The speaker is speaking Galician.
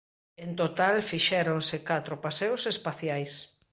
En total fixéronse catro paseos espaciais.